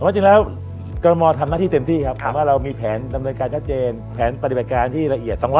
จริงแล้วกรมมทำหน้าที่เต็มที่เรามีแผนดำเนินการทัศเจนแผนปฏิบัติการที่ละเอียด